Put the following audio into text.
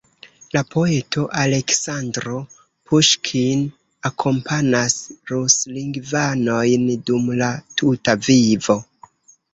La poeto Aleksandro Puŝkin akompanas ruslingvanojn dum la tuta vivo.